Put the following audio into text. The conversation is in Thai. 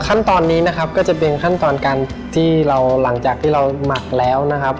ขั้นตอนนี้คือขั้นตอนที่หลังจากที่เราหมักแล้ว